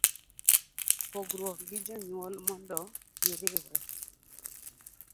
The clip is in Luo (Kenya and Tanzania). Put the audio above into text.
C. Pogruok gi jonyuol mondo gijiwre